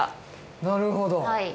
なるほど。